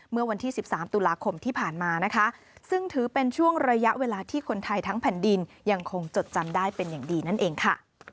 เมื่อวันที่๑๓ตุลาคมที่ผ่านมานะคะซึ่งถือเป็นช่วงระยะเวลาที่คนไทยทั้งแผ่นดินยังคงจดจำได้เป็นอย่างดีนั่นเองค่ะ